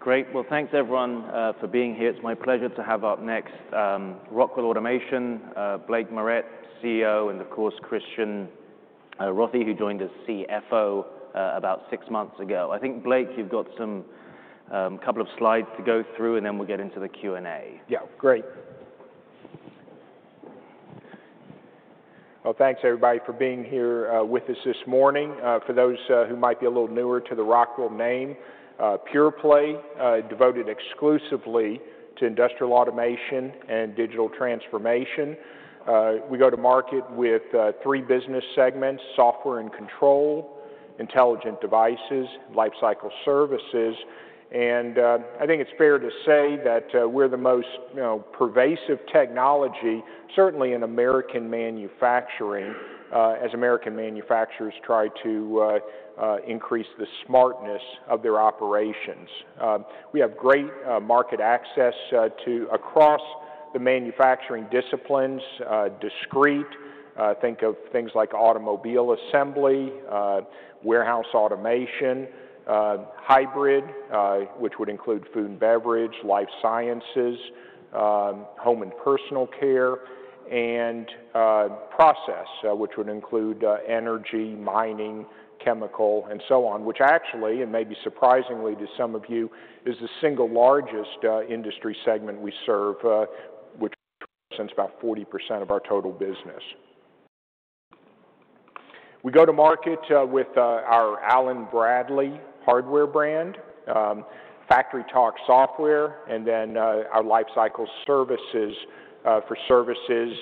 Great. Well, thanks, everyone, for being here. It's my pleasure to have up next Rockwell Automation, Blake Moret, CEO, and, of course, Christian Rothe, who joined as CFO about six months ago. I think, Blake, you've got a couple of slides to go through, and then we'll get into the Q&A. Yeah, great. Well, thanks, everybody, for being here with us this morning. For those who might be a little newer to the Rockwell name, pure play is devoted exclusively to industrial automation and digital transformation. We go to market with three business segments: Software and Control, Intelligent Devices, and Lifecycle Services. And I think it's fair to say that we're the most pervasive technology, certainly in American manufacturing, as American manufacturers try to increase the smartness of their operations. We have great market access across the manufacturing disciplines: discrete - think of things like automobile assembly, warehouse automation, hybrid, which would include food and beverage, life sciences, home and personal care, and process, which would include energy, mining, chemical, and so on, which actually, and maybe surprisingly to some of you, is the single largest industry segment we serve, which represents about 40% of our total business. We go to market with our Allen-Bradley hardware brand, FactoryTalk Software, and then our lifecycle services for services,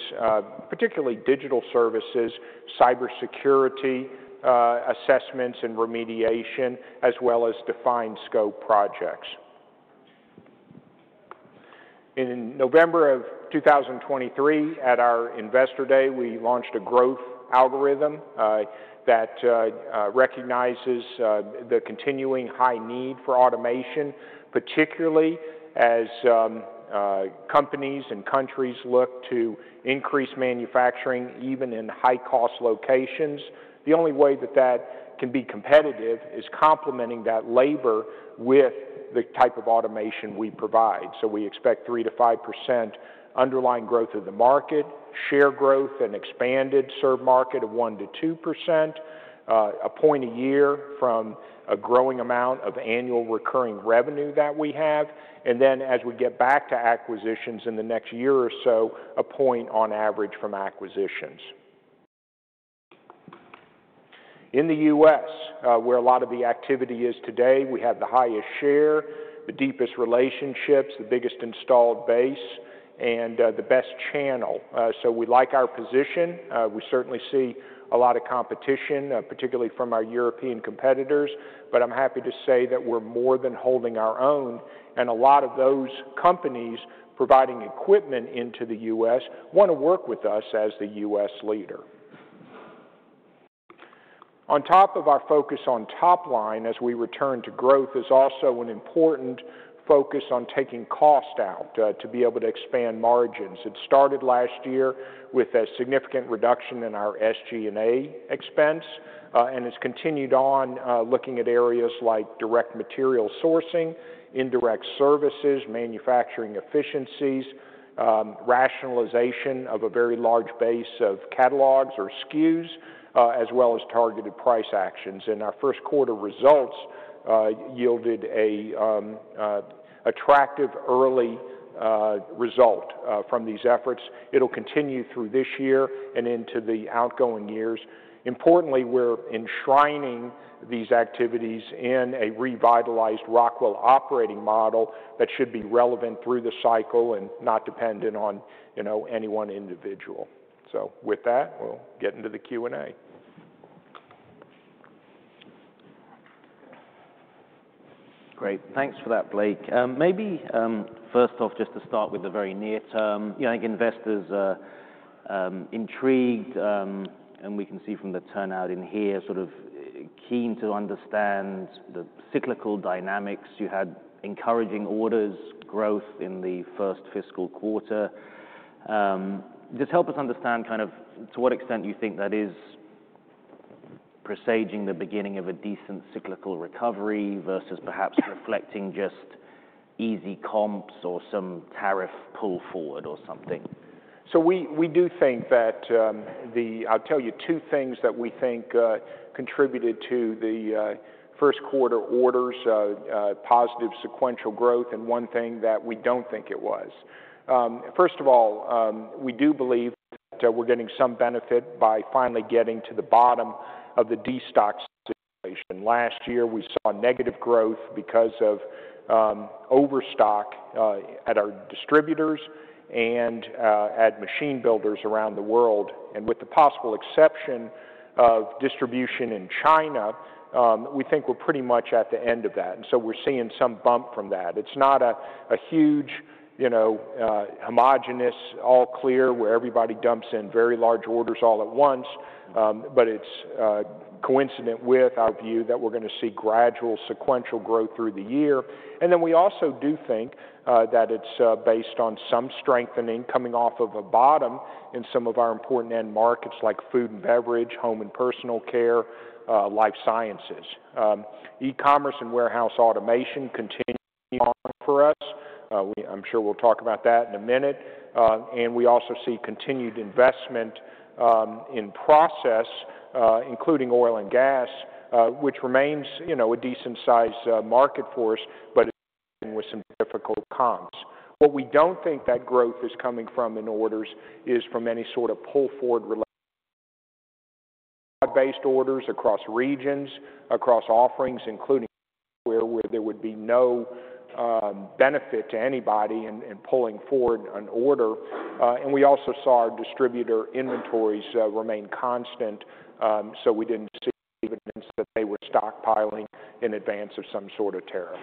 particularly digital services, cybersecurity assessments and remediation, as well as defined scope projects. In November of 2023, at our Investor Day, we launched a growth algorithm that recognizes the continuing high need for automation, particularly as companies and countries look to increase manufacturing, even in high-cost locations. The only way that that can be competitive is complementing that labor with the type of automation we provide, so we expect 3%-5% underlying growth of the market, share growth and expanded serve market of 1%-2%, a point a year from a growing amount of annual recurring revenue that we have, and then, as we get back to acquisitions in the next year or so, a point on average from acquisitions. In the U.S., where a lot of the activity is today, we have the highest share, the deepest relationships, the biggest installed base, and the best channel. So we like our position. We certainly see a lot of competition, particularly from our European competitors. But I'm happy to say that we're more than holding our own, and a lot of those companies providing equipment into the U.S. want to work with us as the U.S. leader. On top of our focus on top line, as we return to growth, is also an important focus on taking cost out to be able to expand margins. It started last year with a significant reduction in our SG&A expense and has continued on, looking at areas like direct material sourcing, indirect services, manufacturing efficiencies, rationalization of a very large base of catalogs or SKUs, as well as targeted price actions. Our first quarter results yielded an attractive early result from these efforts. It'll continue through this year and into the outgoing years. Importantly, we're enshrining these activities in a revitalized Rockwell operating model that should be relevant through the cycle and not dependent on any one individual. With that, we'll get into the Q&A. Great. Thanks for that, Blake. Maybe first off, just to start with the very near-term, I think investors are intrigued, and we can see from the turnout in here sort of keen to understand the cyclical dynamics. You had encouraging orders, growth in the first fiscal quarter. Just help us understand kind of to what extent you think that is presaging the beginning of a decent cyclical recovery versus perhaps reflecting just easy comps or some tariff pull forward or something. So we do think that the. I'll tell you two things that we think contributed to the first quarter orders: positive sequential growth and one thing that we don't think it was. First of all, we do believe that we're getting some benefit by finally getting to the bottom of the destock situation. Last year, we saw negative growth because of overstock at our distributors and at machine builders around the world. And with the possible exception of distribution in China, we think we're pretty much at the end of that. And so we're seeing some bump from that. It's not a huge, homogenous, all-clear where everybody dumps in very large orders all at once, but it's coincident with our view that we're going to see gradual sequential growth through the year. Then we also do think that it's based on some strengthening coming off of a bottom in some of our important end markets like food and beverage, home and personal care, life sciences. E-commerce and warehouse automation continue on for us. I'm sure we'll talk about that in a minute. We also see continued investment in process, including oil and gas, which remains a decent-sized market for us, but with some difficult comps. What we don't think that growth is coming from in orders is from any sort of pull forward related broad-based orders across regions, across offerings, including where there would be no benefit to anybody in pulling forward an order. We also saw our distributor inventories remain constant, so we didn't see evidence that they were stockpiling in advance of some sort of tariff.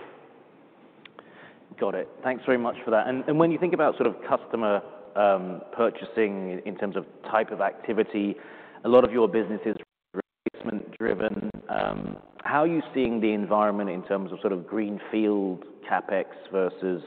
Got it. Thanks very much for that. And when you think about sort of customer purchasing in terms of type of activity, a lot of your business is replacement-driven. How are you seeing the environment in terms of sort of greenfield CapEx versus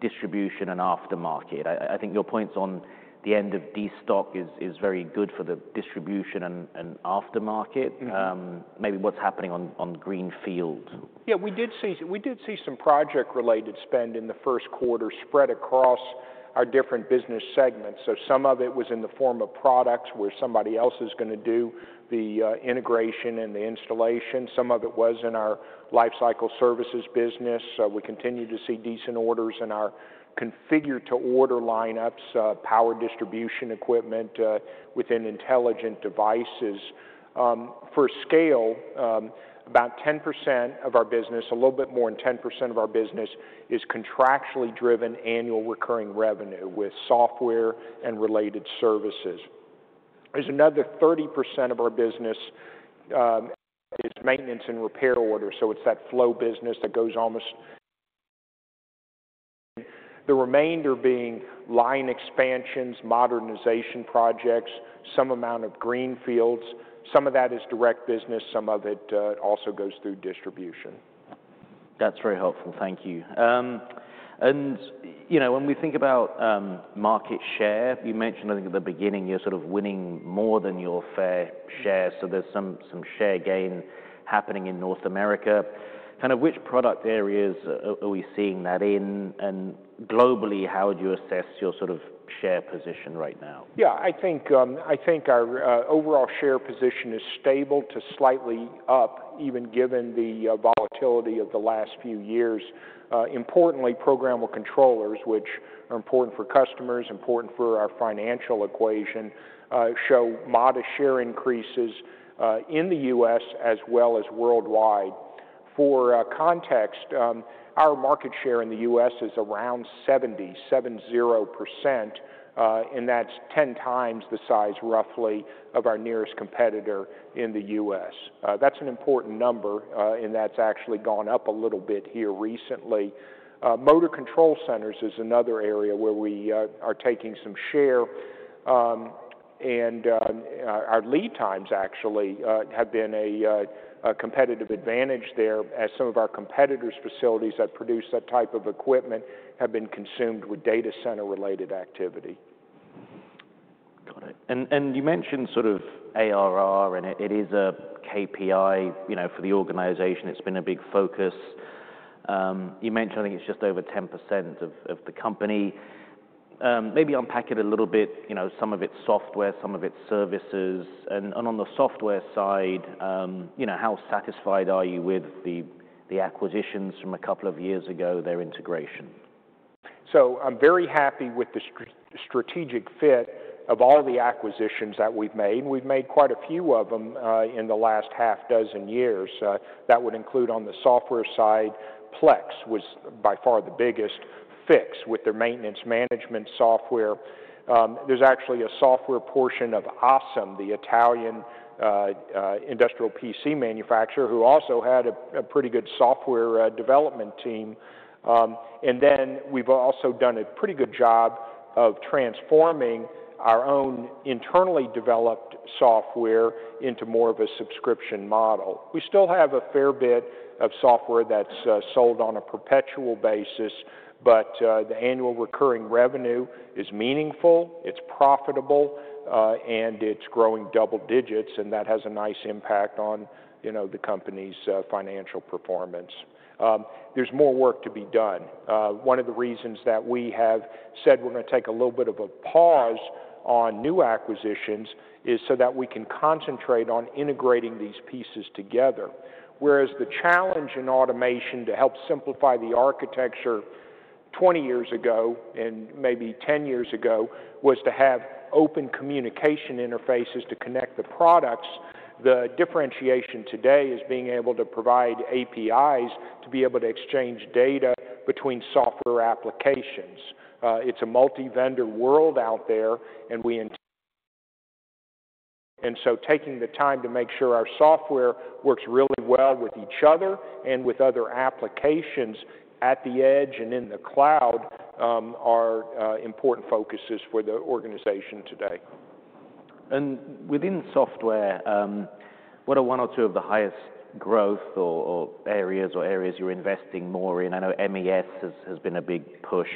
distribution and aftermarket? I think your points on the end of destock is very good for the distribution and aftermarket. Maybe what's happening on greenfield? Yeah, we did see some project-related spend in the first quarter spread across our different business segments. So some of it was in the form of products where somebody else is going to do the integration and the installation. Some of it was in our Lifecycle Services business. We continue to see decent orders in our configured-to-order lineups, power distribution equipment within intelligent devices. For scale, about 10% of our business, a little bit more than 10% of our business, is contractually driven Annual Recurring Revenue with software and related services. There's another 30% of our business that is maintenance and repair orders. So it's that flow business that goes almost the remainder being line expansions, modernization projects, some amount of greenfields. Some of that is direct business. Some of it also goes through distribution. That's very helpful. Thank you. And when we think about market share, you mentioned, I think, at the beginning, you're sort of winning more than your fair share. So there's some share gain happening in North America. Kind of which product areas are we seeing that in? And globally, how would you assess your sort of share position right now? Yeah, I think our overall share position is stable to slightly up, even given the volatility of the last few years. Importantly, programmable controllers, which are important for customers, important for our financial equation, show modest share increases in the U.S. as well as worldwide. For context, our market share in the U.S. is around 70%. That's 10x the size, roughly, of our nearest competitor in the U.S. That's an important number, and that's actually gone up a little bit here recently. Motor control centers is another area where we are taking some share. Our lead times, actually, have been a competitive advantage there, as some of our competitors' facilities that produce that type of equipment have been consumed with data center-related activity. Got it. And you mentioned sort of ARR, and it is a KPI for the organization. It's been a big focus. You mentioned, I think, it's just over 10% of the company. Maybe unpack it a little bit, some of its software, some of its services. And on the software side, how satisfied are you with the acquisitions from a couple of years ago, their integration? So I'm very happy with the strategic fit of all the acquisitions that we've made. We've made quite a few of them in the last half dozen years. That would include, on the software side, Plex was by far the biggest Fiix with their maintenance management software. There's actually a software portion of ASEM, the Italian industrial PC manufacturer, who also had a pretty good software development team. And then we've also done a pretty good job of transforming our own internally developed software into more of a subscription model. We still have a fair bit of software that's sold on a perpetual basis, but the annual recurring revenue is meaningful. It's profitable, and it's growing double digits, and that has a nice impact on the company's financial performance. There's more work to be done. One of the reasons that we have said we're going to take a little bit of a pause on new acquisitions is so that we can concentrate on integrating these pieces together. Whereas the challenge in automation to help simplify the architecture 20 years ago and maybe 10 years ago was to have open communication interfaces to connect the products, the differentiation today is being able to provide APIs to be able to exchange data between software applications. It's a multi-vendor world out there, and so taking the time to make sure our software works really well with each other and with other applications at the edge and in the cloud are important focuses for the organization today. And within software, what are one or two of the highest growth areas or areas you're investing more in? I know MES has been a big push.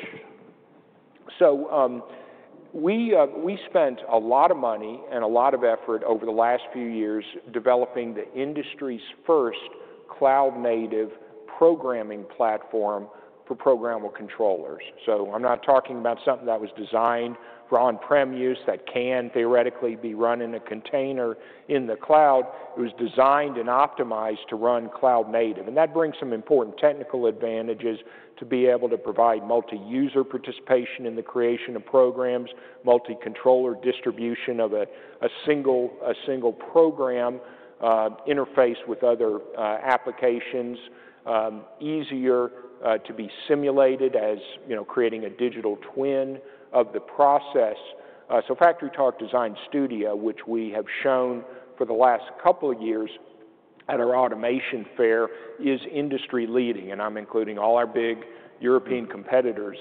We spent a lot of money and a lot of effort over the last few years developing the industry's first cloud-native programming platform for programmable controllers. I'm not talking about something that was designed for on-prem use that can theoretically be run in a container in the cloud. It was designed and optimized to run cloud-native. And that brings some important technical advantages to be able to provide multi-user participation in the creation of programs, multi-controller distribution of a single program interface with other applications, easier to be simulated as creating a digital twin of the process. FactoryTalk Design Studio, which we have shown for the last couple of years at our automation fair, is industry-leading, and I'm including all our big European competitors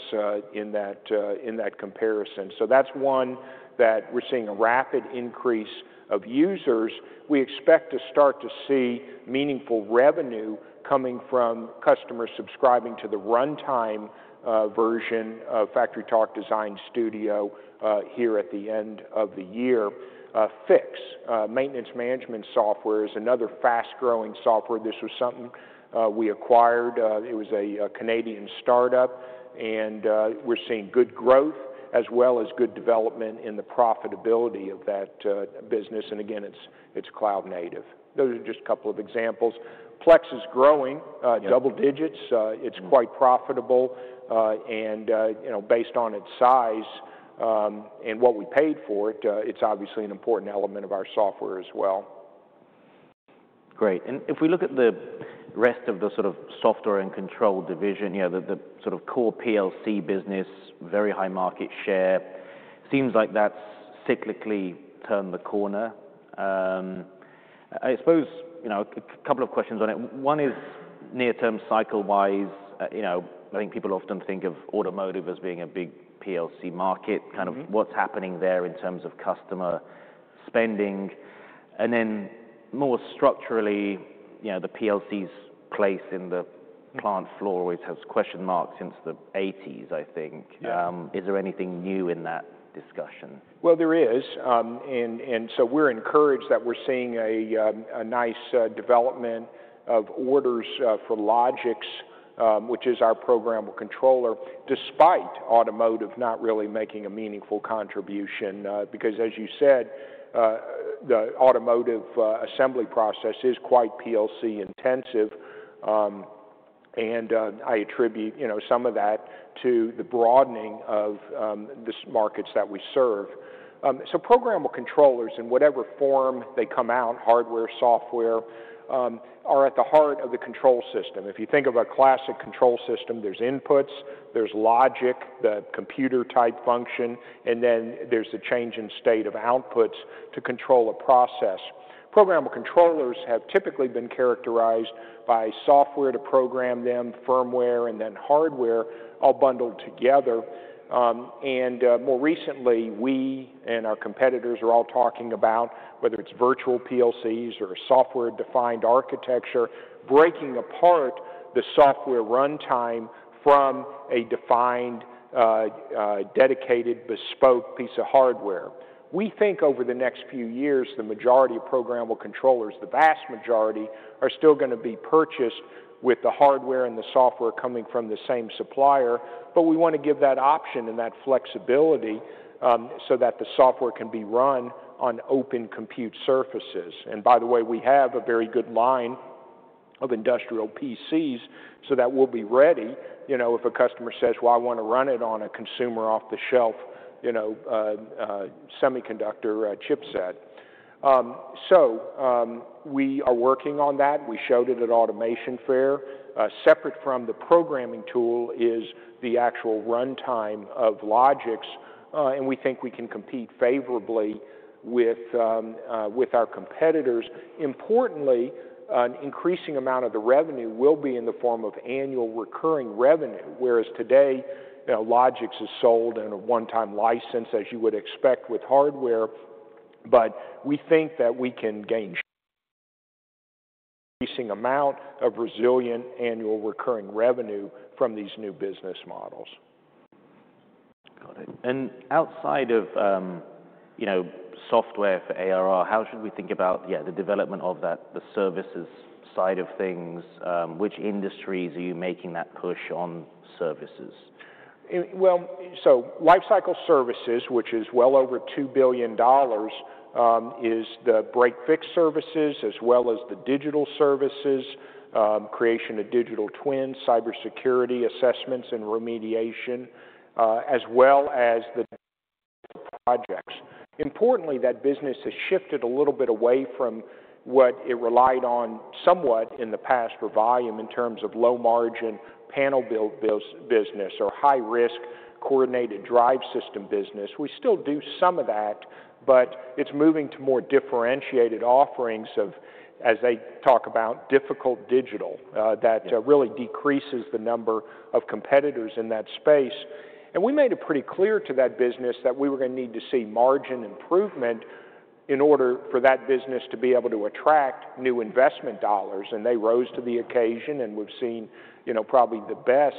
in that comparison. That's one that we're seeing a rapid increase of users. We expect to start to see meaningful revenue coming from customers subscribing to the runtime version of FactoryTalk Design Studio here at the end of the year. Fiix, maintenance management software, is another fast-growing software. This was something we acquired. It was a Canadian start-up, and we're seeing good growth as well as good development in the profitability of that business, and again, it's cloud-native. Those are just a couple of examples. Plex is growing double digits. It's quite profitable, and based on its size and what we paid for it, it's obviously an important element of our software as well. Great, and if we look at the rest of the sort of software and control division, the sort of core PLC business, very high market share, seems like that's cyclically turned the corner. I suppose a couple of questions on it. One is near-term cycle-wise. I think people often think of automotive as being a big PLC market. Kind of what's happening there in terms of customer spending? And then more structurally, the PLC's place in the plant floor always has question marks since the 1980s, I think. Is there anything new in that discussion? Well, there is. And so we're encouraged that we're seeing a nice development of orders for Logix, which is our programmable controller, despite automotive not really making a meaningful contribution. Because, as you said, the automotive assembly process is quite PLC intensive, and I attribute some of that to the broadening of the markets that we serve. So programmable controllers, in whatever form they come out, hardware, software, are at the heart of the control system. If you think of a classic control system, there's inputs, there's logic, the computer-type function, and then there's a change in state of outputs to control a process. Programmable controllers have typically been characterized by software to program them, firmware, and then hardware all bundled together. And more recently, we and our competitors are all talking about, whether it's virtual PLCs or software-defined architecture, breaking apart the software runtime from a defined, dedicated, bespoke piece of hardware. We think over the next few years, the majority of programmable controllers, the vast majority, are still going to be purchased with the hardware and the software coming from the same supplier, but we want to give that option and that flexibility so that the software can be run on open compute surfaces. And by the way, we have a very good line of industrial PCs, so that will be ready if a customer says, "Well, I want to run it on a consumer off-the-shelf semiconductor chipset." So we are working on that. We showed it at Automation Fair. Separate from the programming tool is the actual runtime of Logix, and we think we can compete favorably with our competitors. Importantly, an increasing amount of the revenue will be in the form of annual recurring revenue, whereas today, Logix is sold in a one-time license, as you would expect with hardware. But we think that we can gain an increasing amount of resilient annual recurring revenue from these new business models. Got it. Outside of software for ARR, how should we think about the development of that, the services side of things? Which industries are you making that push on services? Well, so Lifecycle Services, which is well over $2 billion, is the break/fix services as well as the digital services, creation of digital twins, cybersecurity assessments and remediation, as well as the projects. Importantly, that business has shifted a little bit away from what it relied on somewhat in the past for volume in terms of low-margin panel build business or high-risk coordinated drive system business. We still do some of that, but it's moving to more differentiated offerings of, as they talk about, difficult digital that really decreases the number of competitors in that space. And we made it pretty clear to that business that we were going to need to see margin improvement in order for that business to be able to attract new investment dollars. And they rose to the occasion, and we've seen probably the best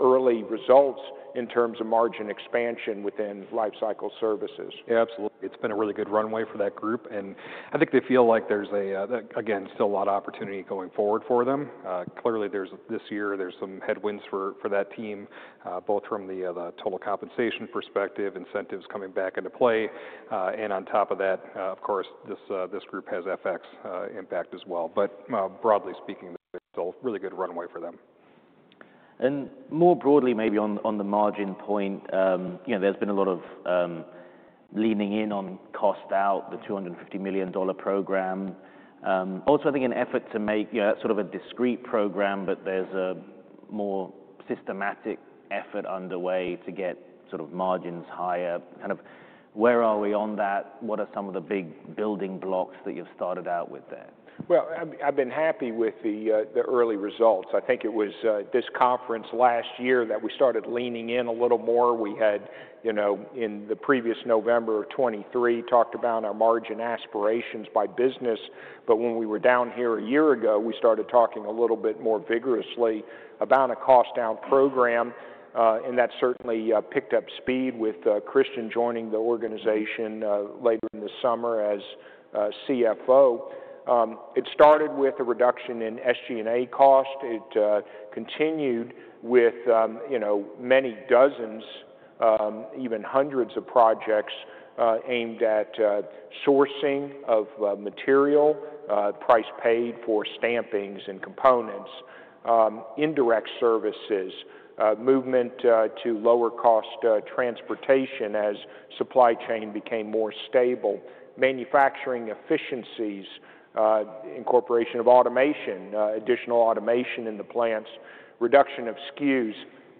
early results in terms of margin expansion within Lifecycle Services. Yeah, absolutely. It's been a really good runway for that group. And I think they feel like there's, again, still a lot of opportunity going forward for them. Clearly, this year, there's some headwinds for that team, both from the total compensation perspective, incentives coming back into play. And on top of that, of course, this group has FX impact as well. But broadly speaking, it's still a really good runway for them. More broadly, maybe on the margin point, there's been a lot of leaning in on cost out, the $250 million program. Also, I think an effort to make sort of a discrete program, but there's a more systematic effort underway to get sort of margins higher. Kind of where are we on that? What are some of the big building blocks that you've started out with there? I've been happy with the early results. I think it was this conference last year that we started leaning in a little more. We had, in the previous November of 2023, talked about our margin aspirations by business. But when we were down here a year ago, we started talking a little bit more vigorously about a cost-down program. And that certainly picked up speed with Christian joining the organization later in the summer as CFO. It started with a reduction in SG&A cost. It continued with many dozens, even hundreds of projects aimed at sourcing of material, price paid for stampings and components, indirect services, movement to lower-cost transportation as supply chain became more stable, manufacturing efficiencies, incorporation of automation, additional automation in the plants, reduction of SKUs.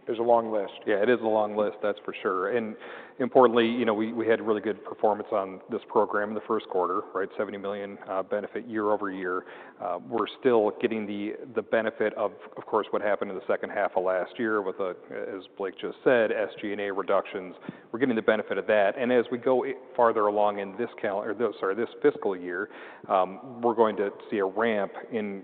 There's a long list. Yeah, it is a long list, that's for sure. And importantly, we had really good performance on this program in the first quarter, right? $70 million benefit year-over-year. We're still getting the benefit of, of course, what happened in the second half of last year with, as Blake just said, SG&A reductions. We're getting the benefit of that. And as we go farther along in this fiscal year, we're going to see a ramp in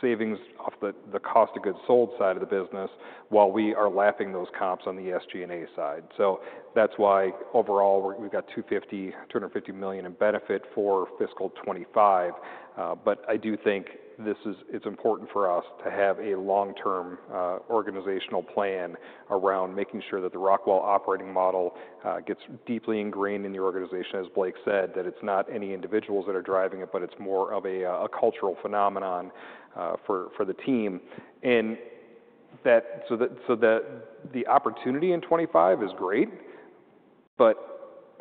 savings off the cost of goods sold side of the business while we are lapping those comps on the SG&A side. So that's why overall we've got $250 million in benefit for fiscal 2025. But I do think it's important for us to have a long-term organizational plan around making sure that the Rockwell operating model gets deeply ingrained in the organization, as Blake said, that it's not any individuals that are driving it, but it's more of a cultural phenomenon for the team. And so the opportunity in 2025 is great, but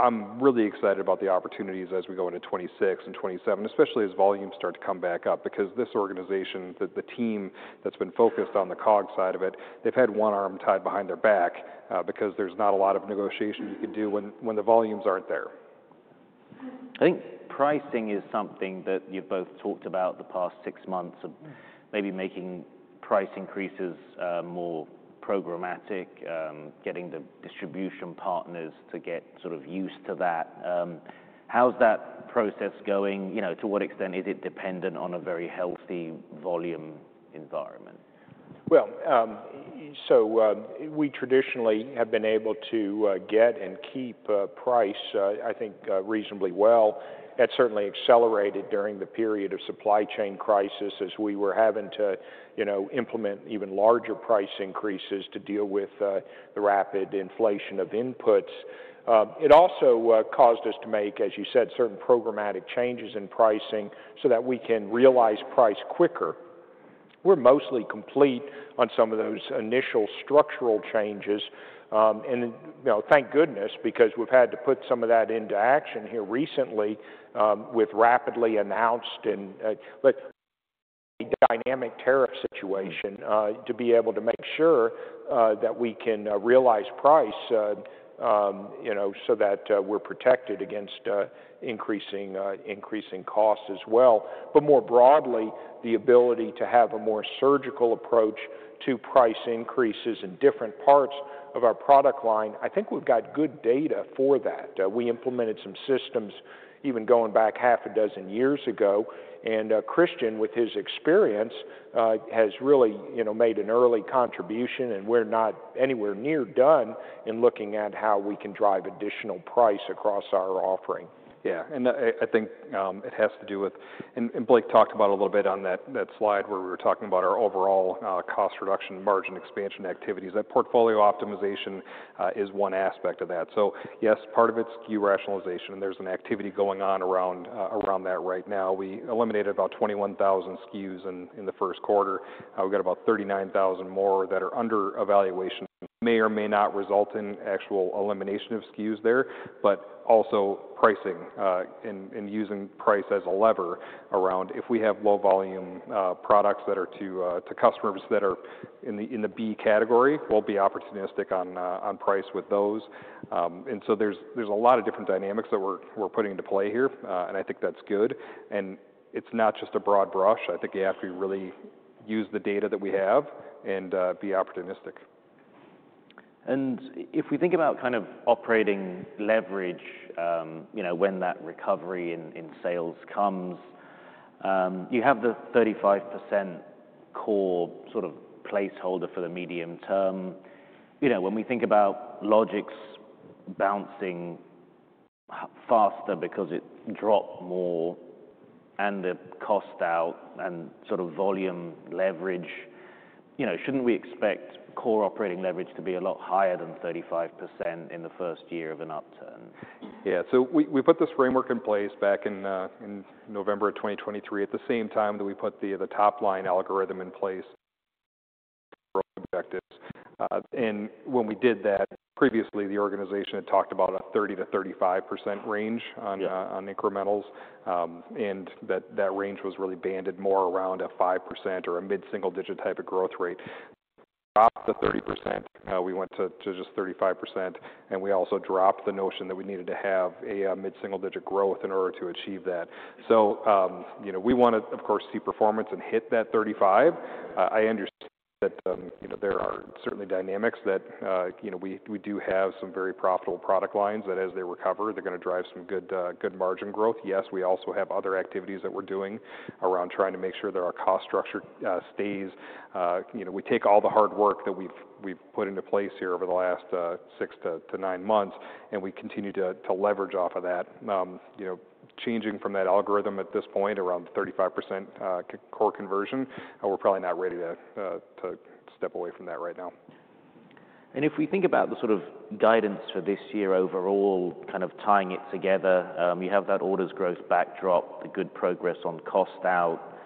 I'm really excited about the opportunities as we go into 2026 and 2027, especially as volumes start to come back up. Because this organization, the team that's been focused on the COGS side of it, they've had one arm tied behind their back because there's not a lot of negotiation you can do when the volumes aren't there. I think pricing is something that you've both talked about the past six months of maybe making price increases more programmatic, getting the distribution partners to get sort of used to that. How's that process going? To what extent is it dependent on a very healthy volume environment? We traditionally have been able to get and keep price, I think, reasonably well. That certainly accelerated during the period of supply chain crisis as we were having to implement even larger price increases to deal with the rapid inflation of inputs. It also caused us to make, as you said, certain programmatic changes in pricing so that we can realize price quicker. We're mostly complete on some of those initial structural changes. And thank goodness because we've had to put some of that into action here recently with rapidly announced and dynamic tariff situation to be able to make sure that we can realize price so that we're protected against increasing costs as well. But more broadly, the ability to have a more surgical approach to price increases in different parts of our product line, I think we've got good data for that. We implemented some systems even going back half a dozen years ago, and Christian, with his experience, has really made an early contribution, and we're not anywhere near done in looking at how we can drive additional price across our offering. Yeah. And I think it has to do with, and Blake talked about a little bit on that slide where we were talking about our overall cost reduction and margin expansion activities. That portfolio optimization is one aspect of that. So yes, part of it's SKU rationalization, and there's an activity going on around that right now. We eliminated about 21,000 SKUs in the first quarter. We've got about 39,000 more that are under evaluation. May or may not result in actual elimination of SKUs there, but also pricing and using price as a lever around if we have low-volume products that are to customers that are in the B category, we'll be opportunistic on price with those. And so there's a lot of different dynamics that we're putting into play here, and I think that's good. And it's not just a broad brush. I think we have to really use the data that we have and be opportunistic. And if we think about kind of operating leverage when that recovery in sales comes, you have the 35% core sort of placeholder for the medium-term. When we think about Logix bouncing faster because it dropped more and the cost out and sort of volume leverage, shouldn't we expect core operating leverage to be a lot higher than 35% in the first year of an upturn? Yeah. So we put this framework in place back in November of 2023 at the same time that we put the top-line algorithm in place for our objectives. And when we did that, previously, the organization had talked about a 30%-35% range on incrementals, and that range was really banded more around a 5% or a mid-single-digit type of growth rate. We dropped the 30%. We went to just 35%, and we also dropped the notion that we needed to have a mid-single-digit growth in order to achieve that. So we want to, of course, see performance and hit that 35. I understand that there are certainly dynamics that we do have some very profitable product lines that, as they recover, they're going to drive some good margin growth. Yes, we also have other activities that we're doing around trying to make sure that our cost structure stays. We take all the hard work that we've put into place here over the last six to nine months, and we continue to leverage off of that. Changing from that algorithm at this point around 35% core conversion, we're probably not ready to step away from that right now. If we think about the sort of guidance for this year overall, kind of tying it together, you have that orders growth backdrop, the good progress on cost out.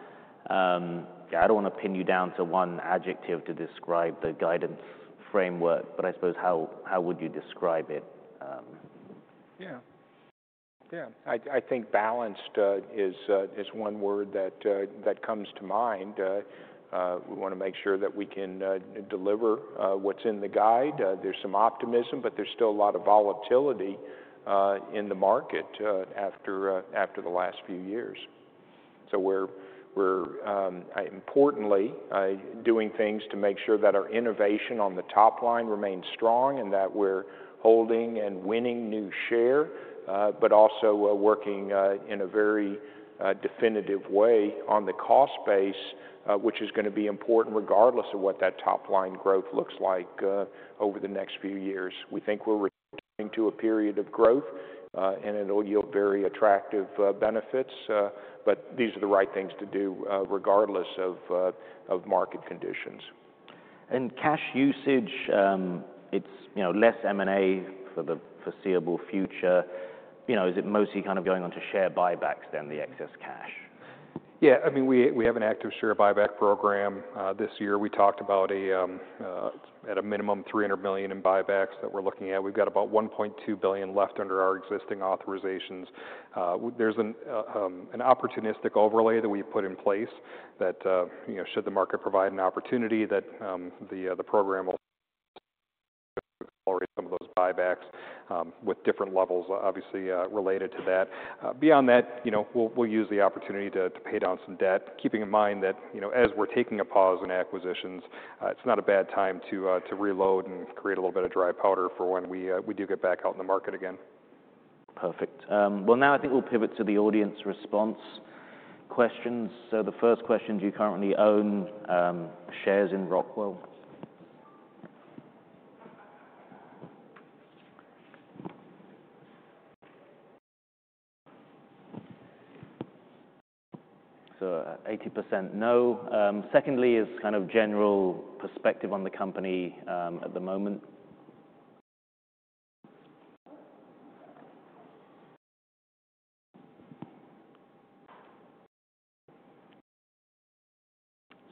I don't want to pin you down to one adjective to describe the guidance framework, but I suppose how would you describe it? Yeah, I think balanced is one word that comes to mind. We want to make sure that we can deliver what's in the guide. There's some optimism, but there's still a lot of volatility in the market after the last few years. So we're importantly doing things to make sure that our innovation on the top line remains strong and that we're holding and winning new share, but also working in a very definitive way on the cost base, which is going to be important regardless of what that top-line growth looks like over the next few years. We think we're returning to a period of growth, and it'll yield very attractive benefits. But these are the right things to do regardless of market conditions. Cash usage, it's less M&A for the foreseeable future. Is it mostly kind of going on to share buybacks than the excess cash? Yeah. I mean, we have an active share buyback program this year. We talked about at a minimum $300 million in buybacks that we're looking at. We've got about $1.2 billion left under our existing authorizations. There's an opportunistic overlay that we've put in place that should the market provide an opportunity that the program will accelerate some of those buybacks with different levels, obviously, related to that. Beyond that, we'll use the opportunity to pay down some debt, keeping in mind that as we're taking a pause in acquisitions, it's not a bad time to reload and create a little bit of dry powder for when we do get back out in the market again. Perfect. Well, now I think we'll pivot to the audience response questions. So the first question, do you currently own shares in Rockwell? So 80% no. Secondly is kind of general perspective on the company at the moment.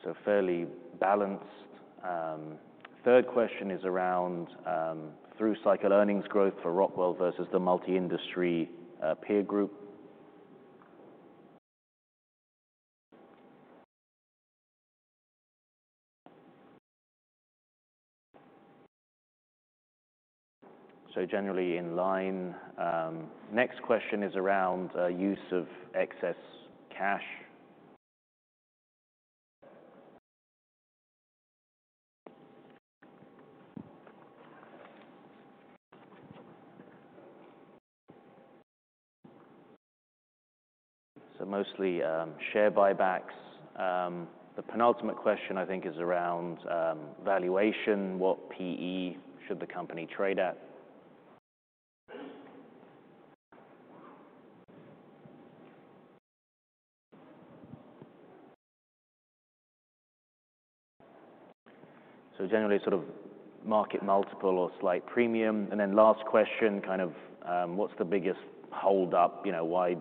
So fairly balanced. Third question is around through cycle earnings growth for Rockwell versus the multi-industry peer group. So generally in line. Next question is around use of excess cash. So mostly share buybacks. The penultimate question I think is around valuation. What PE should the company trade at? So generally sort of market multiple or slight premium. And then last question, kind of what's the biggest holdup? Why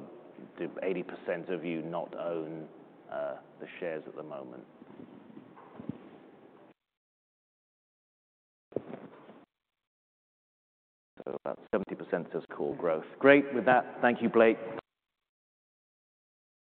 do 80% of you not own the shares at the moment? So about 70% says core growth. Great. With that, thank you, Blake.